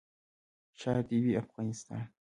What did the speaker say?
ښاد دې وي افغانستان.